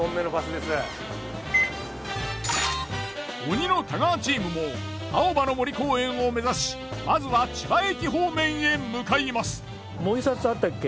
鬼の太川チームも青葉の森公園を目指しまずは千葉駅方面へ向かいます。